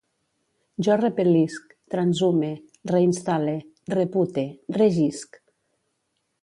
Jo repel·lisc, transhume, reinstal·le, repute, regisc